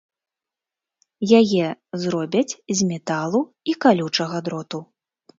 Яе зробяць з металу і калючага дроту.